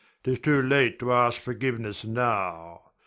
'Tis too late to ask forgiveness now.